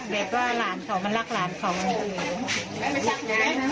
เด็ดว่าหลานเขามันรักหลานเขามัน